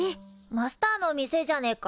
マスターの店じゃねえか。